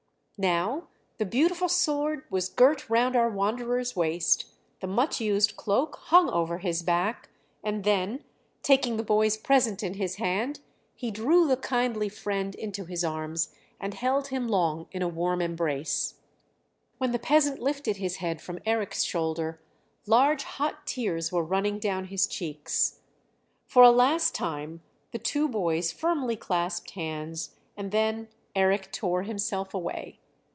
Now the beautiful sword was girt round our wanderer's waist, the much used cloak hung over his back; and then, taking the boy's present in his hand, he drew the kindly friend into his arms and held him long in a warm embrace. When the peasant lifted his head from Eric's shoulder large hot tears were running down his cheeks. For a last time the two boys firmly clasped hands, and then Eric tore himself away.